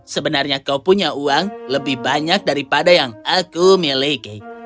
sebenarnya kau punya uang lebih banyak daripada yang aku miliki